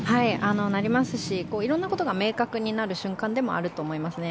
なりますし、色んなことが明確になる瞬間でもあると思いますね。